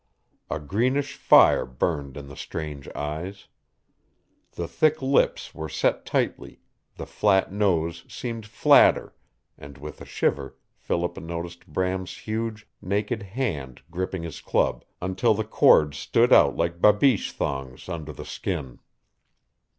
A greenish fire burned in the strange eyes. The thick lips were set tightly, the flat nose seemed flatter, and with a shiver Philip noticed Bram's huge, naked hand gripping his club until the cords stood out like babiche thongs under the skin.